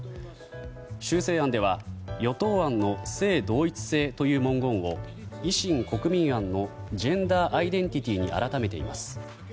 修正案では与党案の性同一性という文言を維新、国民案のジェンダーアイデンティティーに改めています。